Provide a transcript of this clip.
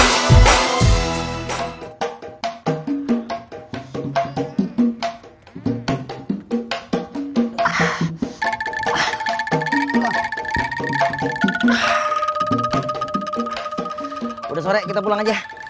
saya masih butuh uang